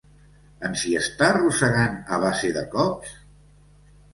Ens hi està arrossegant a base de cops?